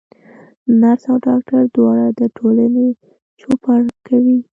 نرس او ډاکټر دواړه د ټولني چوپړ کوي.